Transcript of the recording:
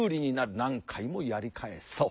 何回もやり返すと。